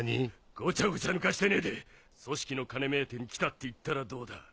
ごちゃごちゃ抜かしてねえで組織の金目当てに来たって言ったらどうだ？